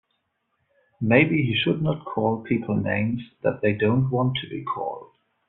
Maybe he should not call people names that they don't want to be called.